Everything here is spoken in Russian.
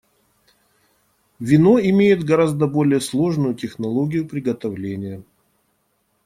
Вино имеет гораздо более сложную технологию приготовления.